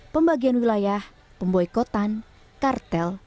pembagian wilayah pemboikotan kartel